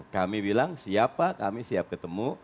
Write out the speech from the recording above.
kami bilang siapa kami siap ketemu